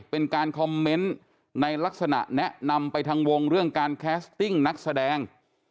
เป็นการคอมเมนต์ในลักษณะแนะนำไปทางวงเรื่องการแคสติ้งนักแสดง